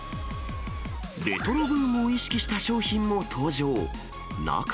レトロブームを意識した商品も登場。